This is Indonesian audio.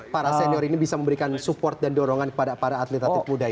para senior ini bisa memberikan support dan dorongan kepada para atlet atlet muda